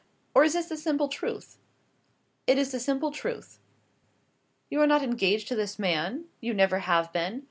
or is this the simple truth?" "It is the simple truth." "You are not engaged to this man? you never have been?